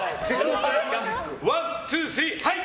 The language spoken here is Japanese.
ワン、ツー、スリー、はい！